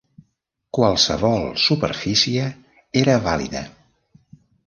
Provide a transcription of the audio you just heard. Qualsevol superfície era vàlida.